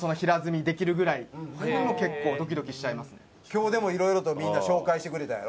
今日でもいろいろとみんな紹介してくれたやろ？